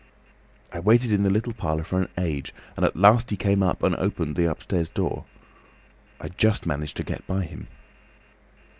"I waited in the little parlour for an age, and at last he came up and opened the upstairs door. I just managed to get by him.